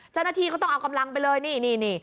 เจ้าหน้าที่ก็ต้องเอากำลังไปเลยนี่